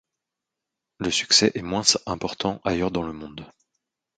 Le succès est moins important ailleurs dans le monde.